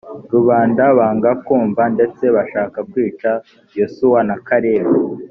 rubanda banga kumva ndetse bashaka kwica yosuwa na kalebu